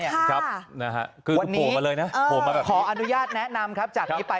วันนี้ขออนุญาตแนะนำจากนี้ไป